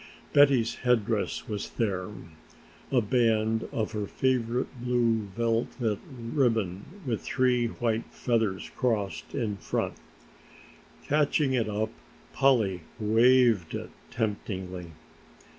Betty's head dress was there, a band of her favorite blue velvet ribbon with three white feathers crossed in front. Catching it up Polly waved it temptingly.